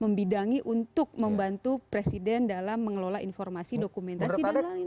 membidangi untuk membantu presiden dalam mengelola informasi dokumentasi dan lain lain